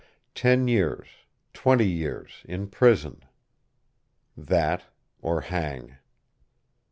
Ten years twenty years in prison! That, or hang.